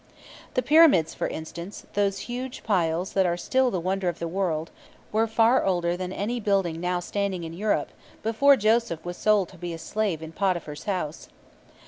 The Pyramids, for instance, those huge piles that are still the wonder of the world, were far older than any building now standing in Europe, before Joseph was sold to be a slave in Potiphar's house.